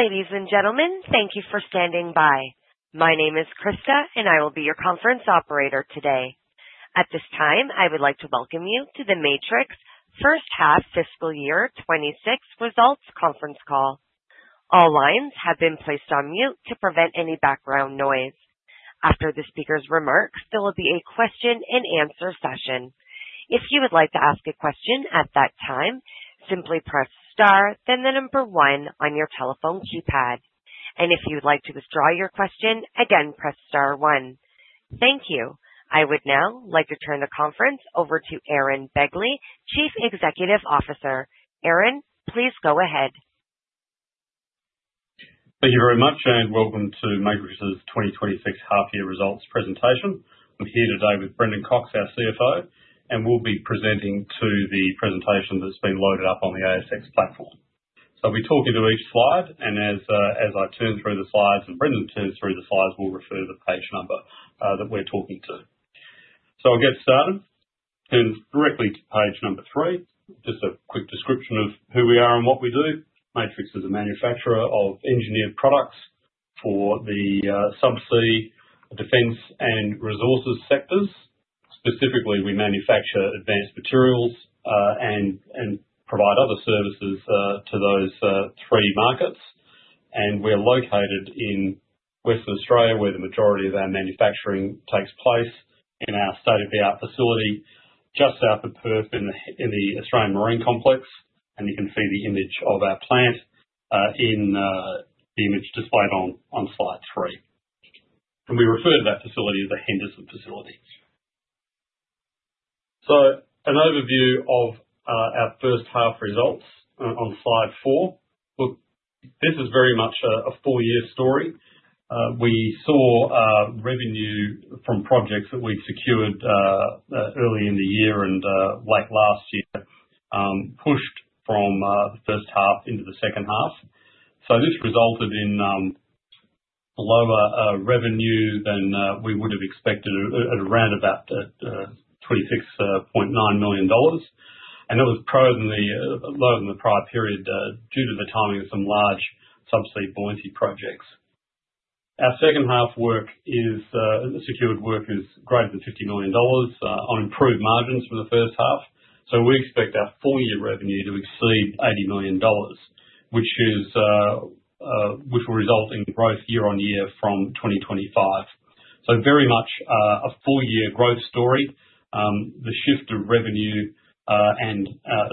Ladies and gentlemen, thank you for standing by. My name is Krista, and I will be your conference operator today. At this time, I would like to welcome you to the Matrix first-half fiscal year 2026 results conference call. All lines have been placed on mute to prevent any background noise. After the speaker's remarks, there will be a question and answer session. If you would like to ask a question at that time, simply press star then the number one on your telephone keypad. If you would like to withdraw your question, again, press star one. Thank you. I would now like to turn the conference over to Aaron Begley, Chief Executive Officer. Aaron, please go ahead. Thank you very much, and welcome to Matrix's 2026 half-year results presentation. I'm here today with Brendan Cocks, our CFO, and we'll be presenting to the presentation that's been loaded up on the ASX platform. I'll be talking to each slide, and as I turn through the slides and Brendan turns through the slides, we'll refer the page number that we're talking to. I'll get started. Turn directly to page number three, just a quick description of who we are and what we do. Matrix is a manufacturer of engineered products for the subsea, defense, and resources sectors. Specifically, we manufacture advanced materials and provide other services to those three markets. We're located in Western Australia, where the majority of our manufacturing takes place in our state-of-the-art facility just south of Perth in the Australian Marine Complex. You can see the image of our plant in the image displayed on slide three. We refer to that facility as the Henderson facility. An overview of our first half results on slide four. Look, this is very much a full-year story. We saw revenue from projects that we'd secured early in the year and late last year pushed from the first half into the second half. This resulted in lower revenue than we would have expected at around about 26.9 million dollars. It was lower than the prior period due to the timing of some large subsea buoyancy projects. Our second half secured work is greater than 50 million dollars on improved margins for the first half. We expect our full-year revenue to exceed 80 million dollars, which will result in growth year-on-year from 2025. Very much a full-year growth story. The shift of revenue and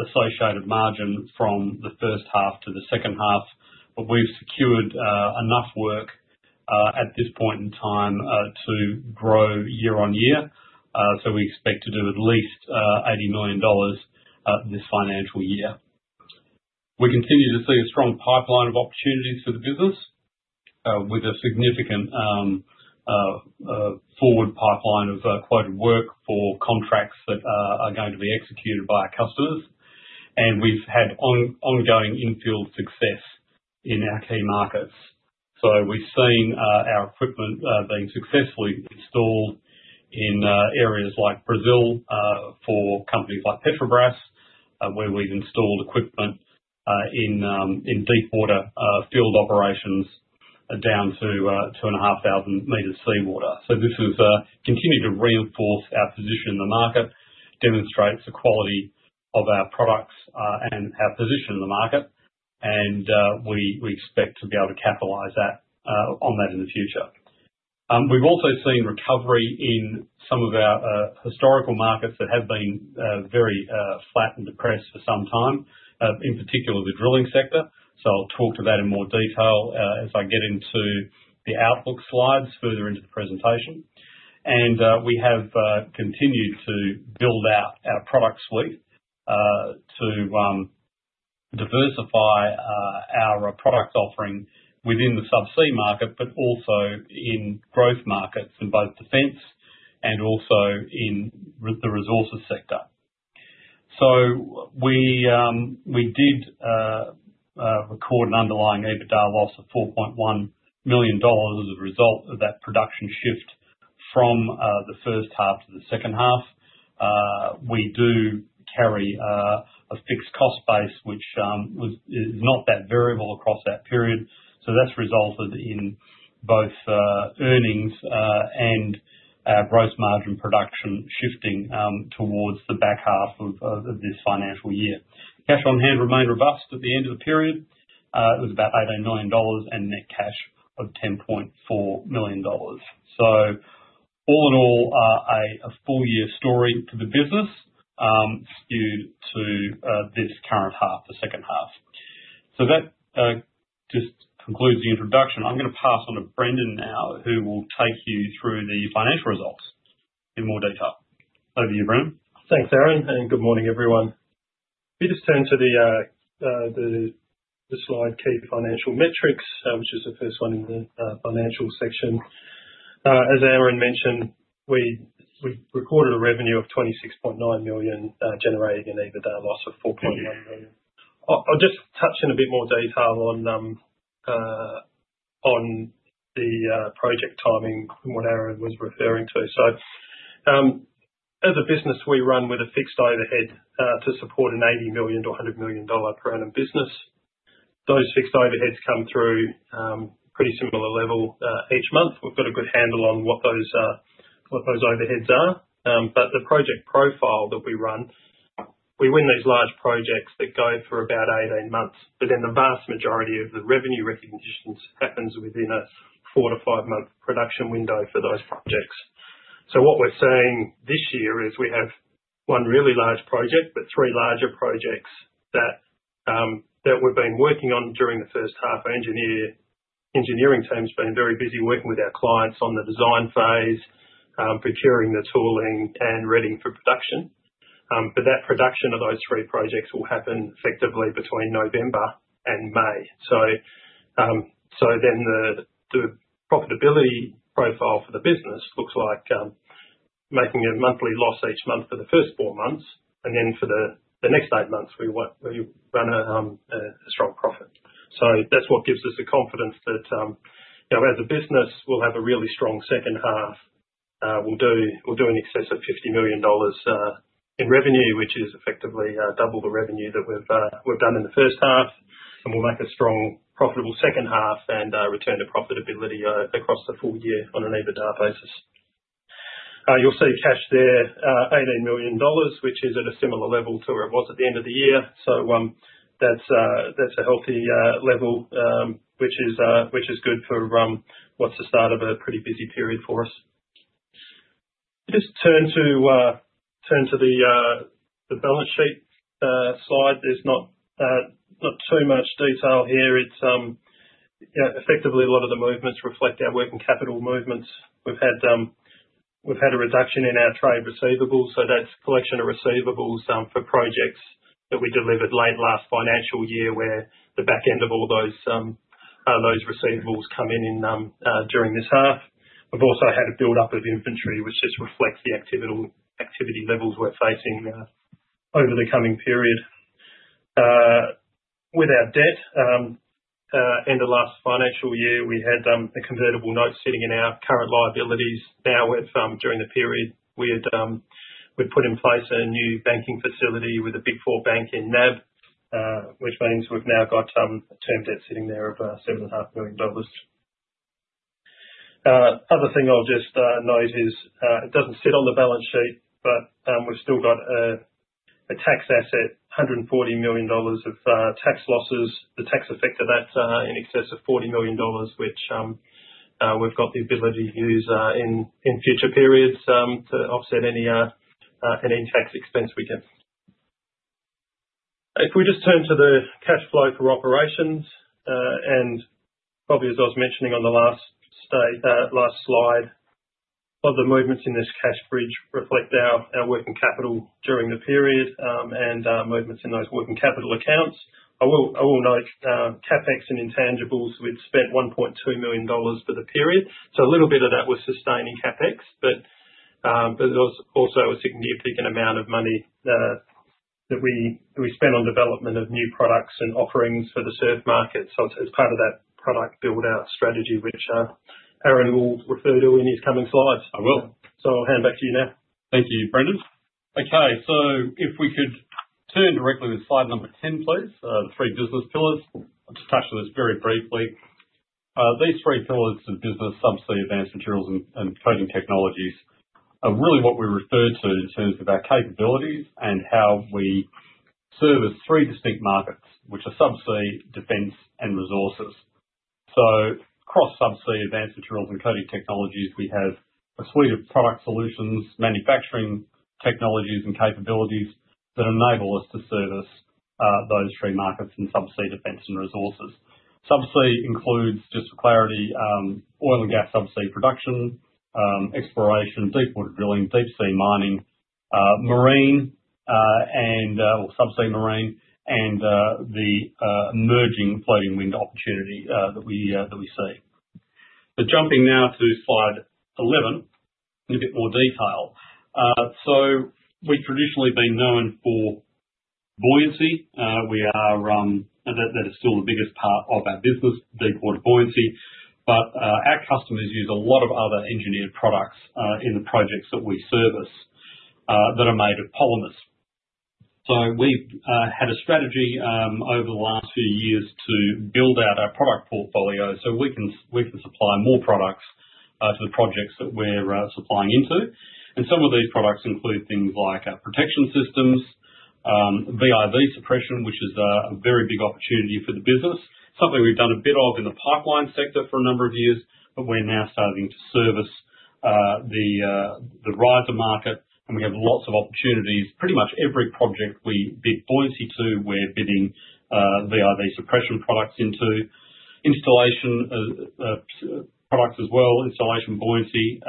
associated margin from the first half to the second half, but we've secured enough work, at this point in time, to grow year on year. We expect to do at least 80 million dollars this financial year. We continue to see a strong pipeline of opportunities for the business, with a significant forward pipeline of quoted work for contracts that are going to be executed by our customers. We've had ongoing in-field success in our key markets. We've seen our equipment being successfully installed in areas like Brazil for companies like Petrobras, where we've installed equipment in deep water field operations down to 2,500 meters of seawater. This has continued to reinforce our position in the market, demonstrates the quality of our products, and our position in the market. We expect to be able to capitalize on that in the future. We've also seen recovery in some of our historical markets that have been very flat and depressed for some time, in particular the drilling sector. I'll talk to that in more detail as I get into the Outlook slides further into the presentation. We have continued to build out our product suite to diversify our product offering within the subsea market, but also in growth markets in both defense and also in the resources sector. We did record an underlying EBITDA loss of 4.1 million dollars as a result of that production shift from the first half to the second half. We do carry a fixed cost base which is not that variable across that period. That's resulted in both earnings and our gross margin production shifting towards the back half of this financial year. Cash on hand remained robust at the end of the period. It was about 18 million dollars and net cash of 10.4 million dollars. All in all, a full-year story for the business skewed to this current half, the second half. That just concludes the introduction. I'm gonna pass on to Brendan now who will take you through the financial results in more detail. Over to you, Brendan. Thanks, Aaron, and good morning, everyone. If you just turn to the slide, Key Financial Metrics, which is the first one in the financial section. As Aaron mentioned, we recorded a revenue of 26.9 million, generating an EBITDA loss of 4.1 million. I'll just touch in a bit more detail on the project timing, what Aaron was referring to. As a business, we run with a fixed overhead to support an 80 million-100 million dollar per annum business. Those fixed overheads come through pretty similar level each month. We've got a good handle on what those overheads are. The project profile that we run, we win these large projects that go for about 18 months, but then the vast majority of the revenue recognitions happens within a four to five-month production window for those projects. What we're seeing this year is we have one really large project, but three larger projects that we've been working on during the first half. Our engineering team's been very busy working with our clients on the design phase, procuring the tooling and readying for production. That production of those three projects will happen effectively between November and May. The profitability profile for the business looks like making a monthly loss each month for the first four months. For the next eight months, we run a strong profit. That's what gives us the confidence that as a business, we'll have a really strong second half. We'll do in excess of 50 million dollars in revenue, which is effectively double the revenue that we've done in the first half. We'll make a strong profitable second half and a return to profitability across the full year on an EBITDA basis. You'll see cash there, 18 million dollars, which is at a similar level to where it was at the end of the year. That's a healthy level, which is good for what's the start of a pretty busy period for us. Just turn to the balance sheet slide. There's not too much detail here. Effectively, a lot of the movements reflect our working capital movements. We've had a reduction in our trade receivables, so that's collection of receivables for projects that we delivered late last financial year, where the back end of all those receivables come in during this half. We've also had a buildup of inventory, which just reflects the activity levels we're facing over the coming period. With our debt, end of last financial year, we had a convertible note sitting in our current liabilities. During the period, we've put in place a new banking facility with a Big Four bank in NAB, which means we've now got term debt sitting there of 7.5 million dollars. Other thing I'll just note is, it doesn't sit on the balance sheet, we've still got a tax asset, 140 million dollars of tax losses. The tax effect of that, in excess of 40 million dollars, which we've got the ability to use in future periods to offset any tax expense we get. If we just turn to the cash flow for operations, probably as I was mentioning on the last slide, a lot of the movements in this cash bridge reflect our working capital during the period, movements in those working capital accounts. I will note CapEx and intangibles, we'd spent 1.2 million dollars for the period. A little bit of that was sustaining CapEx. There's also a significant amount of money that we spent on development of new products and offerings for the SURF market. It's part of that product build-out strategy, which Aaron will refer to in his coming slides. I will. I'll hand back to you now. Thank you, Brendan. If we could turn directly to slide number 10, please. Three business pillars. I'll just touch on this very briefly. These three pillars of business, Subsea, Advanced Materials, and Coating Technologies, are really what we refer to in terms of our capabilities and how we service three distinct markets, which are Subsea, Defense, and Resources. Across Subsea, Advanced Materials, and Coating Technologies, we have a suite of product solutions, manufacturing technologies, and capabilities that enable us to service those three markets in Subsea, Defense, and Resources. Subsea includes, just for clarity, oil and gas subsea production, exploration, deepwater drilling, deepsea mining, subsea marine, and the emerging floating wind opportunity that we see. Jumping now to slide 11 in a bit more detail. We've traditionally been known for buoyancy. That is still the biggest part of our business, deepwater buoyancy. Our customers use a lot of other engineered products in the projects that we service that are made of polymers. We've had a strategy over the last few years to build out our product portfolio so we can supply more products to the projects that we're supplying into. Some of these products include things like our protection systems, VIV suppression, which is a very big opportunity for the business. Something we've done a bit of in the pipeline sector for a number of years, we're now starting to service the riser market, we have lots of opportunities. Pretty much every project we bid buoyancy to, we're bidding VIV suppression products into. Installation products as well. Installation buoyancy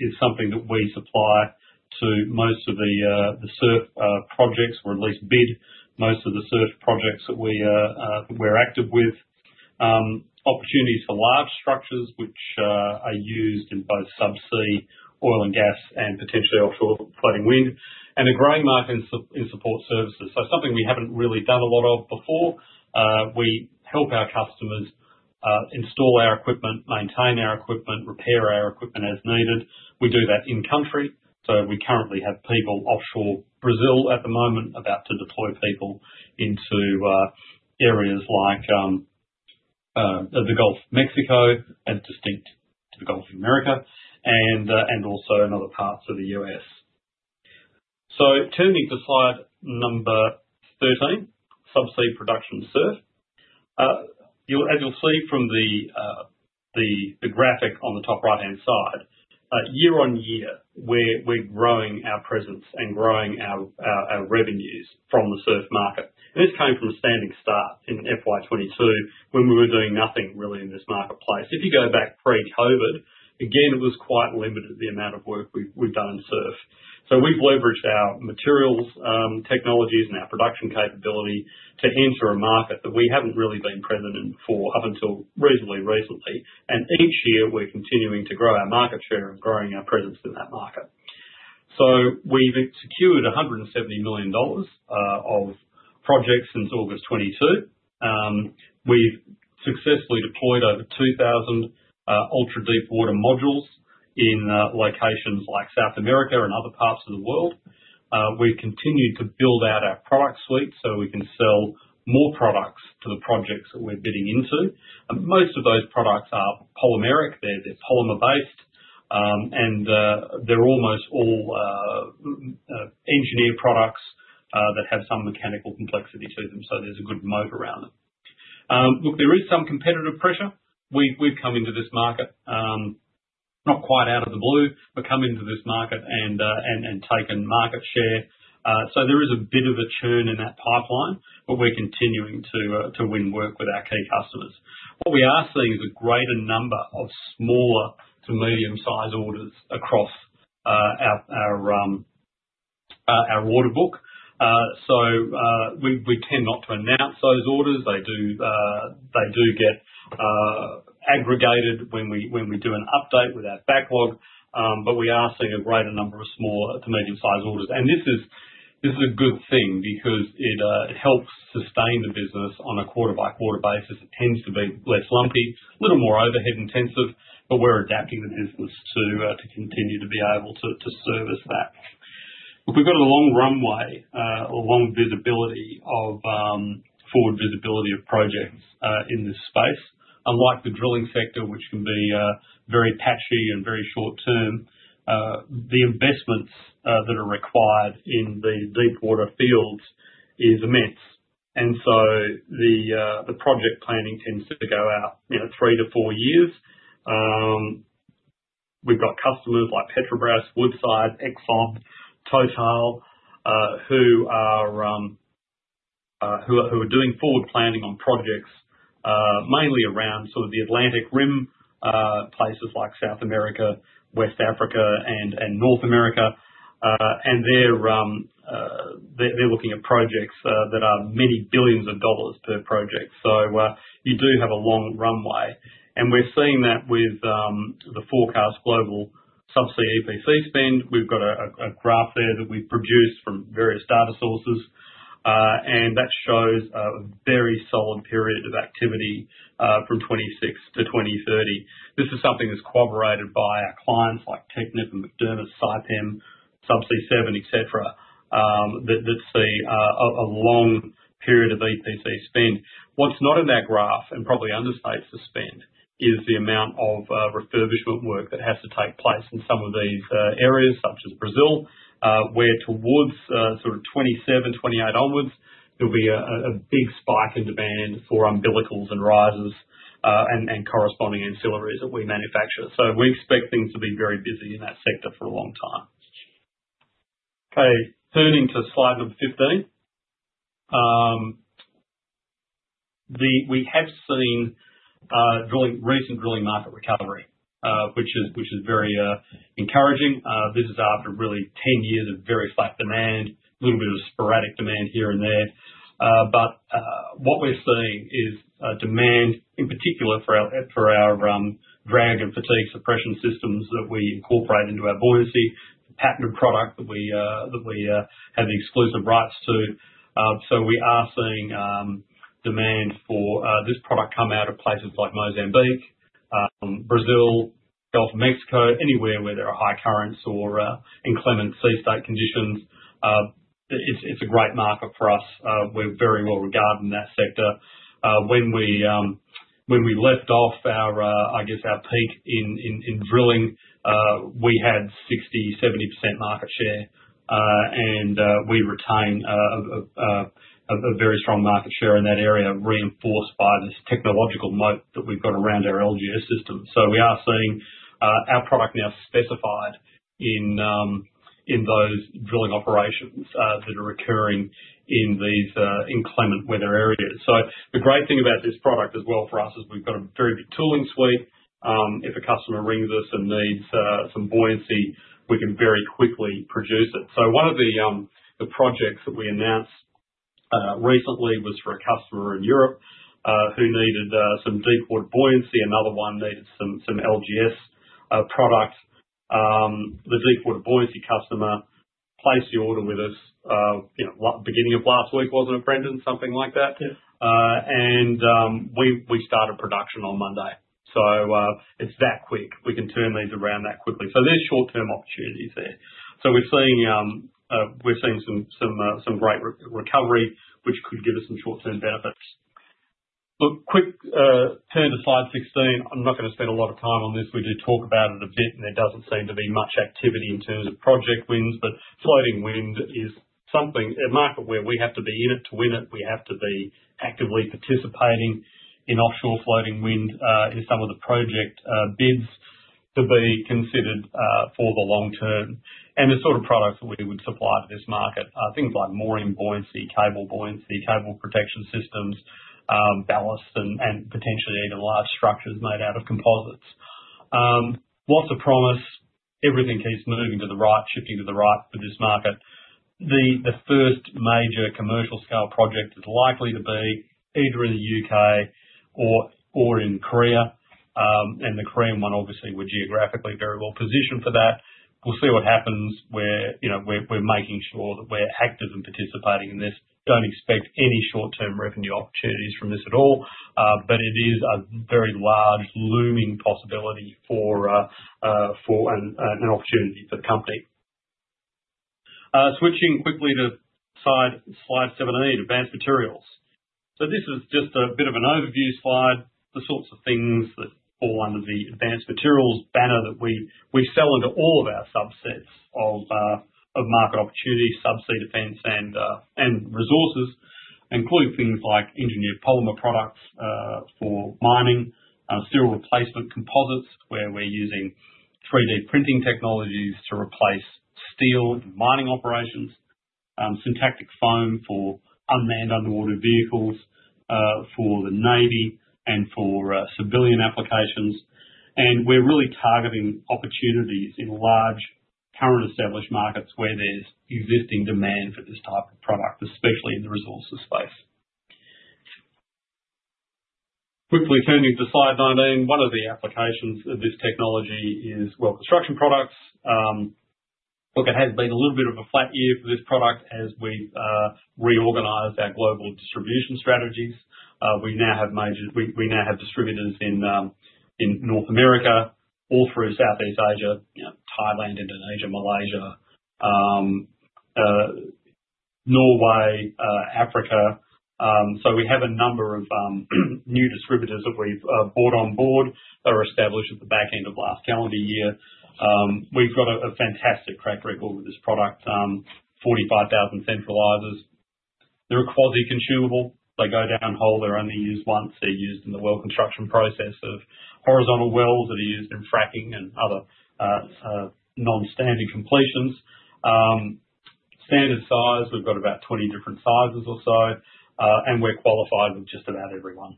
is something that we supply to most of the SURF projects, or at least bid most of the SURF projects that we're active with. Opportunities for large structures, which are used in both subsea oil and gas and potentially offshore floating wind, and a growing market in support services. Something we haven't really done a lot of before. We help our customers install our equipment, maintain our equipment, repair our equipment as needed. We do that in country. We currently have people offshore Brazil at the moment, about to deploy people into areas like the Gulf of Mexico as distinct to the Gulf of America, and also in other parts of the U.S. Turning to slide number 13, subsea production SURF. As you'll see from the graphic on the top right-hand side, year on year, we're growing our presence and growing our revenues from the SURF market. This came from a standing start in FY 2022 when we were doing nothing really in this marketplace. If you go back pre-COVID, again, it was quite limited the amount of work we've done in SURF. We've leveraged our materials, technologies, and our production capability to enter a market that we haven't really been present in before up until recently. Each year, we're continuing to grow our market share and growing our presence in that market. We've secured 170 million dollars of projects since August 2022. We've successfully deployed over 2,000 ultra-deepwater modules in locations like South America and other parts of the world. We've continued to build out our product suite so we can sell more products to the projects that we're bidding into. Most of those products are polymeric. They're polymer-based, and they're almost all engineered products that have some mechanical complexity to them, so there's a good moat around them. Look, there is some competitive pressure. We've come into this market, not quite out of the blue, but come into this market and taken market share. There is a bit of a churn in that pipeline, but we're continuing to win work with our key customers. What we are seeing is a greater number of smaller to medium-sized orders across our order book. We tend not to announce those orders. They do get aggregated when we do an update with our backlog. We are seeing a greater number of smaller to medium-sized orders. This is a good thing because it helps sustain the business on a quarter-by-quarter basis. It tends to be less lumpy, a little more overhead-intensive, but we're adapting the business to continue to be able to service that. We've got a long runway, a long visibility of forward visibility of projects, in this space. Unlike the drilling sector, which can be very patchy and very short-term, the investments that are required in the deepwater fields is immense. The project planning tends to go out three to four years. We've got customers like Petrobras, Woodside, Exxon, Total, who are doing forward planning on projects, mainly around the Atlantic Rim, places like South America, West Africa, and North America. They're looking at projects that are many billions of AUD per project. You do have a long runway. We're seeing that with the forecast global subsea EPC spend. We've got a graph there that we've produced from various data sources, and that shows a very solid period of activity from 2026 to 2030. This is something that's corroborated by our clients like Technip and McDermott, Saipem, Subsea7, et cetera, that see a long period of EPC spend. What's not in that graph, and probably understates the spend, is the amount of refurbishment work that has to take place in some of these areas, such as Brazil, where towards sort of 2027, 2028 onwards, there'll be a big spike in demand for umbilicals and risers, and corresponding ancillaries that we manufacture. We expect things to be very busy in that sector for a long time. Okay, turning to slide number 15. We have seen recent drilling market recovery, which is very encouraging. This is after really 10 years of very flat demand, a little bit of sporadic demand here and there. What we're seeing is demand, in particular for our drag and fatigue suppression systems that we incorporate into our buoyancy, a patented product that we have the exclusive rights to. We are seeing demand for this product come out of places like Mozambique, Brazil, Gulf of Mexico, anywhere where there are high currents or inclement sea state conditions. It's a great market for us. We're very well regarded in that sector. When we left off our peak in drilling, we had 60%-70% market share, and we retain a very strong market share in that area, reinforced by this technological moat that we've got around our LGS system. We are seeing our product now specified in those drilling operations that are occurring in these inclement weather areas. The great thing about this product as well for us is we've got a very big tooling suite. If a customer rings us and needs some buoyancy, we can very quickly produce it. One of the projects that we announced recently was for a customer in Europe, who needed some deepwater buoyancy. Another one needed some LGS products. The deepwater buoyancy customer placed the order with us beginning of last week, wasn't it, Brendan? Something like that. Yeah. We started production on Monday. It's that quick. We can turn these around that quickly. There's short-term opportunities there. We're seeing some great recovery, which could give us some short-term benefits. Look, quick turn to slide 16. I'm not going to spend a lot of time on this. We did talk about it a bit, there doesn't seem to be much activity in terms of project wins. Floating wind is something, a market where we have to be in it to win it. We have to be actively participating in offshore floating wind in some of the project bids to be considered for the long term. The sort of products that we would supply to this market are things like mooring buoyancy, cable buoyancy, cable protection systems, ballast, and potentially even large structures made out of composites. Lots of promise. Everything keeps moving to the right, shifting to the right for this market. The first major commercial-scale project is likely to be either in the U.K. or in Korea. The Korean one, obviously, we're geographically very well positioned for that. We'll see what happens. We're making sure that we're active and participating in this. Don't expect any short-term revenue opportunities from this at all. It is a very large looming possibility for an opportunity for the company. Switching quickly to slides 17 and 18, advanced materials. This is just a bit of an overview slide. The sorts of things that fall under the advanced materials banner that we sell under all of our subsets of market opportunities, subsea, defense, and resources. Including things like engineered polymer products for mining, steel replacement composites, where we're using 3D printing technologies to replace steel in mining operations, syntactic foam for unmanned underwater vehicles for the Navy, and for civilian applications. We're really targeting opportunities in large current established markets where there's existing demand for this type of product, especially in the resources space. Quickly turning to slide 19. One of the applications of this technology is well construction products. Look, it has been a little bit of a flat year for this product as we've reorganized our global distribution strategies. We now have distributors in North America, all through Southeast Asia, Thailand, Indonesia, Malaysia, Norway, Africa. We have a number of new distributors that we've brought on board that were established at the back end of last calendar year. We've got a fantastic track record with this product, 45,000 centralizers. They're a quasi-consumable. They go down whole. They're only used once. They're used in the well construction process of horizontal wells. They're used in fracking and other non-standing completions. Standard size, we've got about 20 different sizes or so. We're qualified with just about everyone.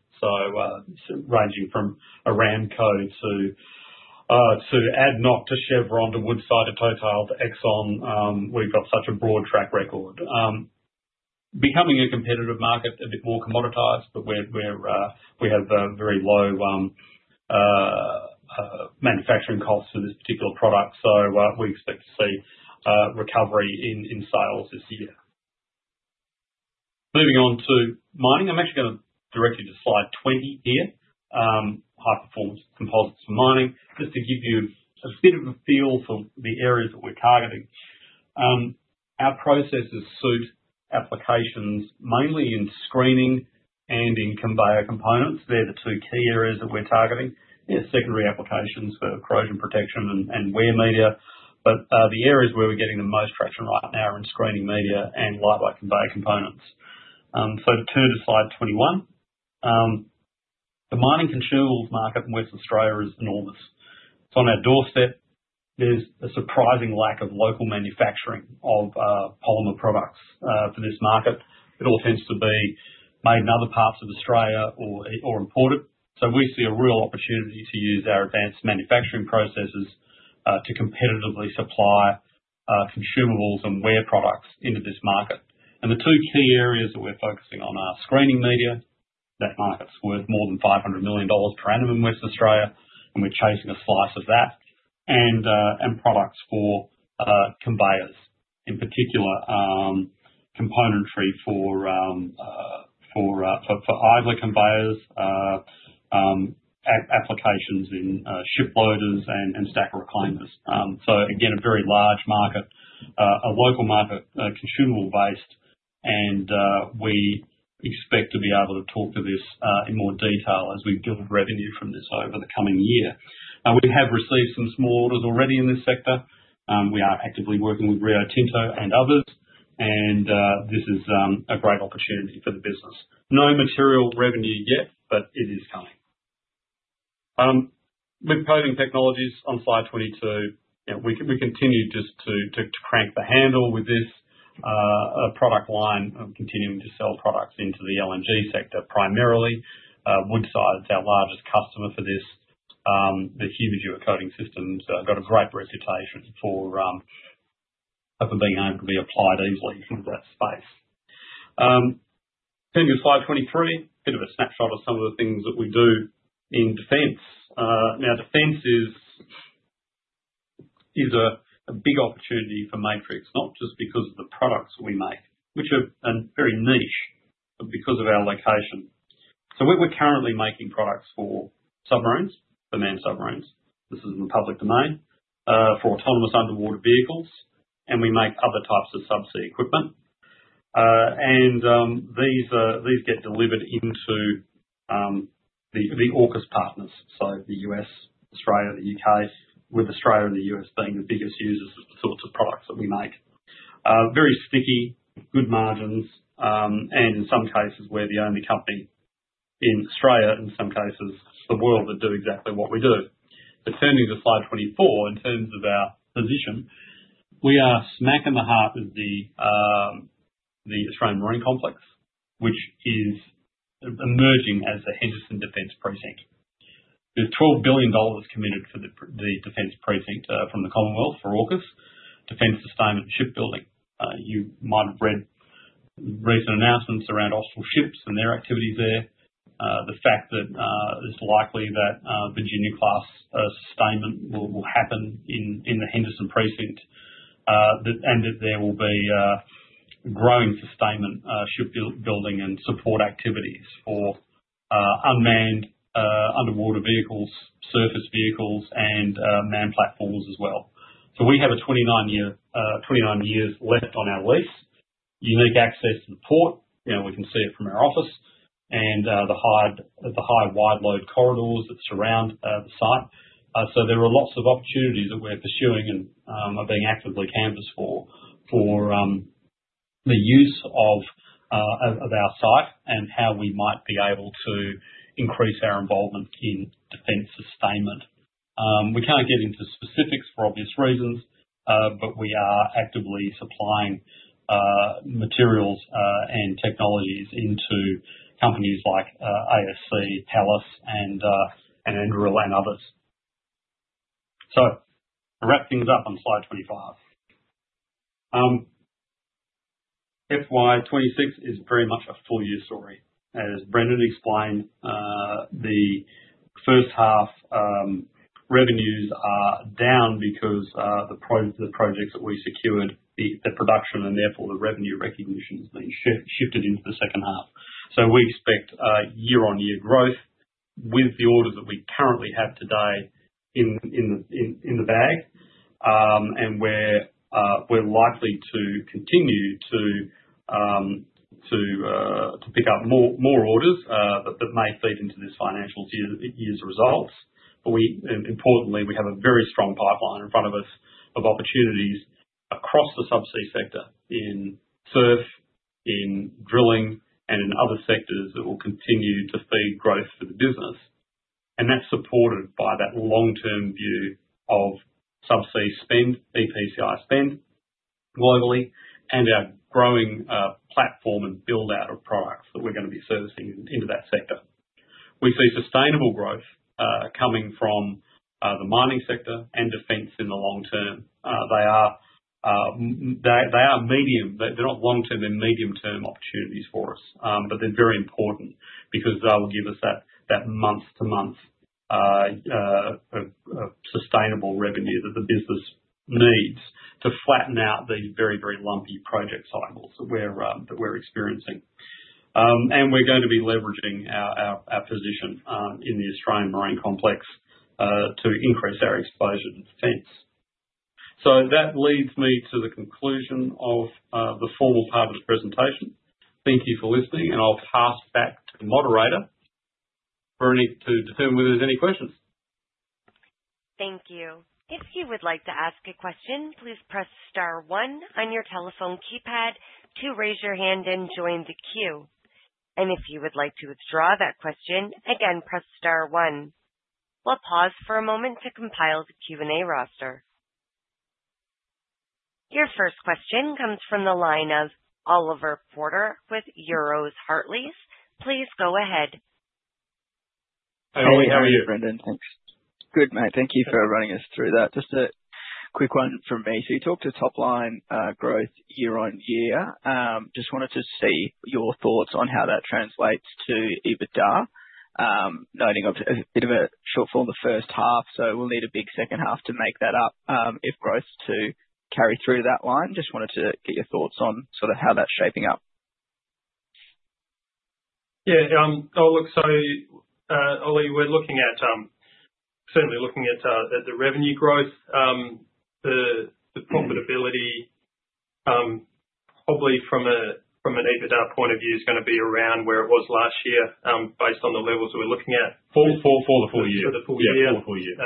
Ranging from Aramco to ADNOC to Chevron to Woodside to Total to Exxon. We've got such a broad track record. Becoming a competitive market, a bit more commoditized, but we have very low manufacturing costs for this particular product. We expect to see recovery in sales this year. Moving on to mining. I'm actually going to direct you to slide 20 here. High-performance composites for mining. Just to give you a bit of a feel for the areas that we're targeting. Our processes suit applications mainly in screening and in conveyor components. They're the two key areas that we're targeting. There are secondary applications for corrosion protection and wear media. The areas where we're getting the most traction right now are in screening media and lightweight conveyor components. Turn to slide 21. The mining consumables market in West Australia is enormous. It's on our doorstep. There's a surprising lack of local manufacturing of polymer products for this market. It all tends to be made in other parts of Australia or imported. We see a real opportunity to use our advanced manufacturing processes to competitively supply consumables and wear products into this market. The two key areas that we're focusing on are screening media. That market's worth more than 500 million dollars per annum in West Australia, and we're chasing a slice of that. Products for conveyors, in particular componentry for idler conveyors, applications in ship loaders and stackers and reclaimers. Again, a very large market, a local market, consumable-based. We expect to be able to talk to this in more detail as we build revenue from this over the coming year. We have received some small orders already in this sector. We are actively working with Rio Tinto and others. This is a great opportunity for the business. No material revenue yet, but it is coming. With coating technologies on slide 22, we continue just to crank the handle with this product line, and continuing to sell products into the LNG sector, primarily. Woodside is our largest customer for this. The Humidur coating systems got a great reputation for being able to be applied easily from that space. Turning to slide 23, a bit of a snapshot of some of the things that we do in defense. Defense is a big opportunity for Matrix, not just because of the products we make, which are very niche, but because of our location. We're currently making products for submarines, unmanned submarines, this is in the public domain, for autonomous underwater vehicles, and we make other types of subsea equipment. These get delivered into the AUKUS partners, so the U.S., Australia, the U.K. With Australia and the U.S. being the biggest users of the sorts of products that we make. Very sticky, good margins, and in some cases we're the only company in Australia, in some cases the world, that do exactly what we do. Turning to slide 24, in terms of our position, we are smack in the heart of the Australian Marine Complex, which is emerging as the Henderson Defense Precinct. There's 12 billion dollars committed for the defense precinct from the Commonwealth for AUKUS, defense sustainment, and shipbuilding. You might have read recent announcements around Austal Ships and their activities there. The fact that it's likely that Virginia-class sustainment will happen in the Henderson precinct, and that there will be growing sustainment shipbuilding and support activities for unmanned underwater vehicles, surface vehicles, and manned platforms as well. We have 29 years left on our lease. Unique access to the port, we can see it from our office, and the high wide load corridors that surround the site. There are lots of opportunities that we're pursuing and are being actively canvassed for the use of our site and how we might be able to increase our involvement in defense sustainment. We can't get into specifics for obvious reasons, but we are actively supplying materials and technologies into companies like ASC, Thales, and Anduril, and others. To wrap things up on slide 25. FY 2026 is very much a full-year story. As Brendan explained, the first half revenues are down because the projects that we secured, the production and therefore the revenue recognition's been shifted into the second half. We expect year-on-year growth with the orders that we currently have today in the bag. We're likely to continue to pick up more orders, that may feed into this financial year's results. Importantly, we have a very strong pipeline in front of us of opportunities across the subsea sector in SURF, in drilling, and in other sectors that will continue to feed growth for the business. That's supported by that long-term view of subsea spend, EPCI spend globally, and our growing platform and build-out of products that we're going to be servicing into that sector. We see sustainable growth coming from the mining sector and defense in the long term. They're not long-term, they're medium-term opportunities for us. They're very important because they will give us that month-to-month sustainable revenue that the business needs to flatten out the very lumpy project cycles that we're experiencing. We're going to be leveraging our position in the Australian Marine Complex to increase our exposure to defense. That leads me to the conclusion of the formal part of the presentation. Thank you for listening, and I'll pass back to the moderator, Bernie, to determine whether there's any questions. Thank you. If you would like to ask a question, please press star one on your telephone keypad to raise your hand and join the queue. If you would like to withdraw that question, again, press star one. We'll pause for a moment to compile the Q&A roster. Your first question comes from the line of Oliver Porter with Euroz Hartleys. Please go ahead. Oliver, how are you? Oliver, how are you, Brendan? Thanks. Good, mate. Thank you for running us through that. Just a quick one from me. You talked of top-line growth year-on-year. Just wanted to see your thoughts on how that translates to EBITDA. Noting a bit of a shortfall in the first half, so we'll need a big second half to make that up, if growth to carry through that line. Just wanted to get your thoughts on how that's shaping up. Yeah. Look, Oli, we're certainly looking at the revenue growth. The profitability, probably from an EBITDA point of view, is gonna be around where it was last year, based on the levels we're looking at. For the full year. Yeah, for the full year.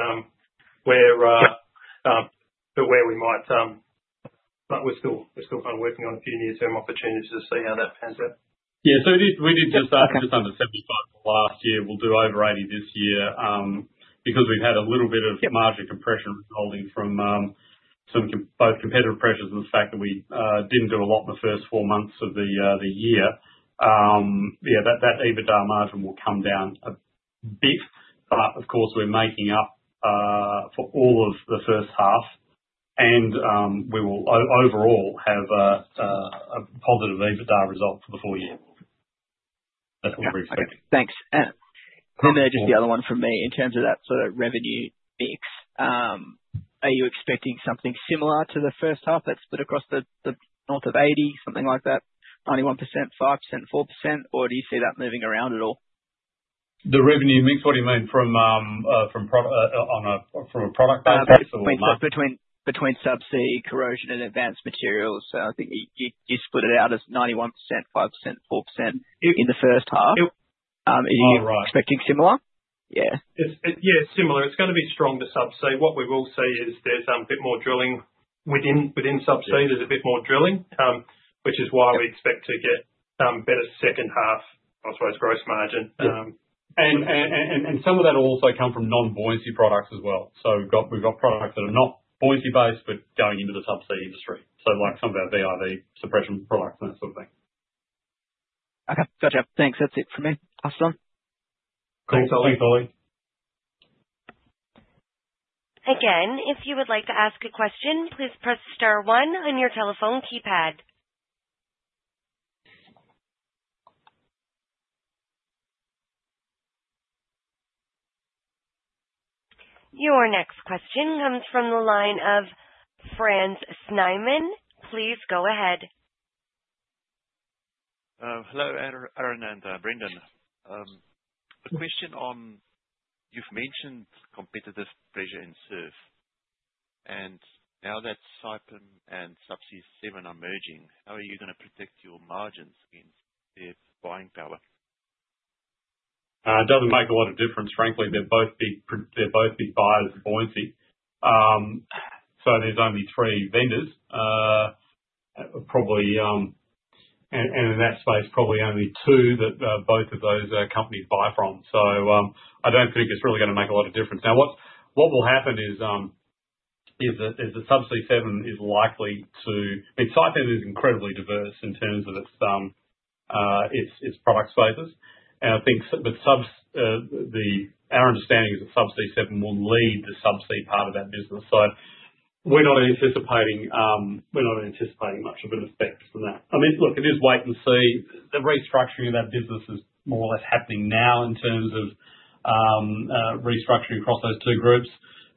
We're still working on a few near-term opportunities to see how that pans out. Yeah. We did just under 75 for last year. We'll do over 80 this year. We've had a little bit of margin compression holding from both competitor pressures and the fact that we didn't do a lot in the first four months of the year. Yeah, that EBITDA margin will come down a bit. Of course, we're making up for all of the first half and we will overall have a positive EBITDA result for the full year. That's what we expect. Okay, thanks. Then just the other one from me in terms of that sort of revenue mix. Are you expecting something similar to the first half that's split across the north of 80, something like that, 91%, 5%, 4%, or do you see that moving around at all? The revenue mix, what do you mean? From a product base? Or- Between subsea, corrosion, and advanced materials. I think you split it out as 91%, 5%, 4% in the first half. Oh, right. Are you expecting similar? Yeah. Similar. It's gonna be stronger subsea. What we will see is there's a bit more drilling within subsea. There's a bit more drilling, which is why we expect to get better second half, I suppose, gross margin. Yeah. Some of that will also come from non-buoyancy products as well. We've got products that are not buoyancy-based, but going into the subsea industry. Like some of our VIV suppression products and that sort of thing. Okay. Gotcha. Thanks. That's it from me. Awesome. Thanks a lot, Bernie. Again, if you would like to ask a question, please press star one on your telephone keypad. Your next question comes from the line of Franz Snyman. Please go ahead. Hello, Aaron and Brendan. A question on, you've mentioned competitive pressure in SURF. Now that Saipem and Subsea 7 are merging, how are you gonna protect your margins against their buying power? It doesn't make a lot of difference, frankly. They'll both be buyers of buoyancy. There's only three vendors. In that space, probably only two that both of those companies buy from. I don't think it's really gonna make a lot of difference. Now what will happen is, the Subsea 7 is likely to Saipem is incredibly diverse in terms of its product spaces. Our understanding is that Subsea 7 will lead the subsea part of that business. We're not anticipating much of an effect from that. I mean, look, it is wait and see. The restructuring of that business is more or less happening now in terms of restructuring across those two groups.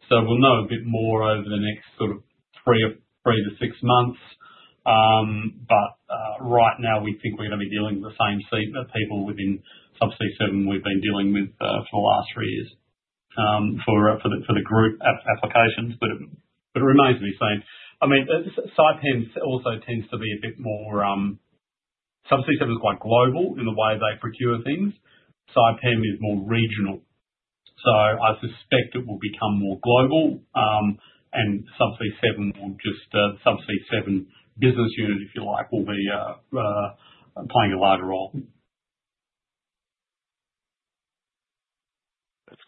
We'll know a bit more over the next sort of 3 months-6 months. Right now we think we're gonna be dealing with the same people within Subsea7 we've been dealing with for the last three years for the group applications. It remains to be seen. Saipem also tends to be a bit more. Subsea7 is quite global in the way they procure things. Saipem is more regional. I suspect it will become more global, and Subsea7 business unit, if you like, will be playing a larger role.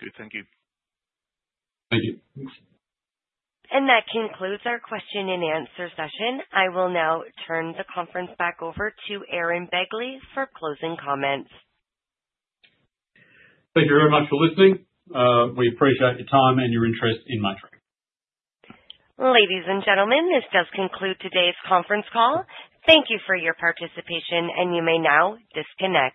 That's good. Thank you. Thank you. That concludes our question and answer session. I will now turn the conference back over to Aaron Begley for closing comments. Thank you very much for listening. We appreciate your time and your interest in Matrix. Ladies and gentlemen, this does conclude today's conference call. Thank you for your participation, and you may now disconnect.